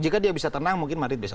jika dia bisa tenang mungkin madrid bisa